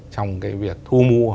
trong cái việc thu mua